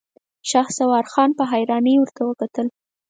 شهسوار خان په حيرانۍ ورته کتل.